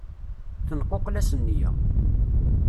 Tenquqla-s nniya.